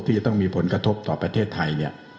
ที่จะต้องมีผลกระทบต่อประเทศไทยเนี่ย